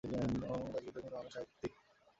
অমূল্যকুমার দাশগুপ্ত একজন বাঙালি সাহিত্যিক।